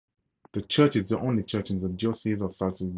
The Church is the only church in the Diocese of Salisbury.